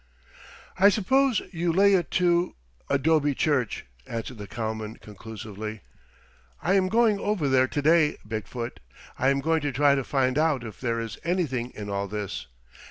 "I suppose you lay it to " "Adobe church," answered the cowman conclusively. "I am going over there to day, Big foot. I am going to try to find out if there is anything in all this.